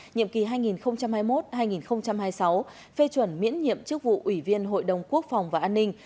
nhiệm kỳ hai nghìn hai mươi một hai nghìn hai mươi sáu phê chuẩn miễn nhiệm chức vụ ủy viên hội đồng quốc phòng và an ninh